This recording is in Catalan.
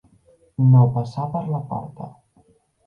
No passar per la porta.